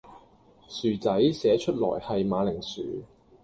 薯仔寫出來係馬鈴薯